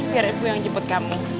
biar ibu yang jemput kamu